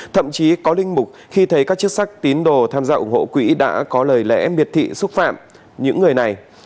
thậm chí có linh mục khi thấy các chức sắc tín đồ tham gia ủng hộ quỹ đã có lời lẽ miệt thị xúc phạm những người này